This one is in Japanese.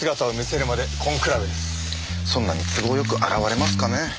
そんなに都合よく現れますかねぇ？